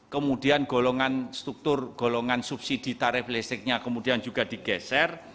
kemudian golongan struktur golongan subsidi tarif listriknya kemudian juga digeser